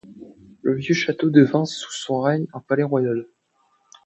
Le vieux château devint sous son règne un palais royal.